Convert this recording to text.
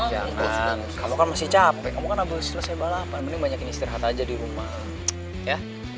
jangan kamu kan masih capek kamu kan abis selesai balapan mending banyakin istirahat aja di rumah ya